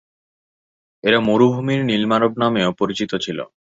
এরা "মরুভূমির নীল মানব" নামেও পরিচিত ছিলো।